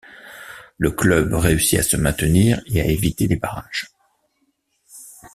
Le club réussi à se maintenir et à éviter les barrages.